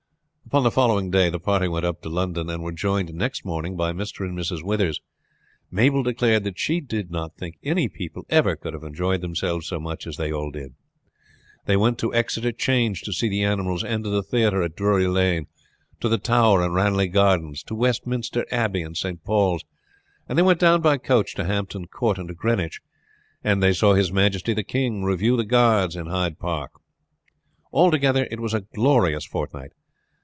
Upon the following day the party went up to London, and were joined next morning by Mr. and Mrs. Withers. Mabel declared that she did not think any people ever could have enjoyed themselves so much as they all did. They went to Exeter 'Change to see the animals and to the theater at Drury Lane, to the Tower and Ranelagh Gardens, to Westminster Abbey and St. Paul's, and they went down by coach to Hampton Court and to Greenwich, and they saw his majesty the king review the Guards in Hyde Park. Altogether it was a glorious fortnight.